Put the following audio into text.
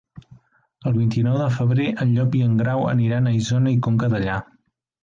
El vint-i-nou de febrer en Llop i en Grau aniran a Isona i Conca Dellà.